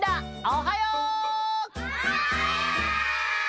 おはよう！